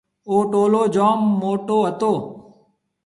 او ٽولون جوم موٽيَ ھتو۔